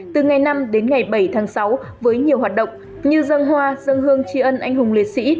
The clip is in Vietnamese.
từ ngày năm đến ngày bảy tháng sáu với nhiều hoạt động như dân hoa dân hương tri ân anh hùng liệt sĩ